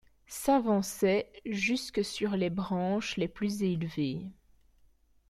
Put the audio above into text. s’avançaient jusque sur les branches les plus élevées.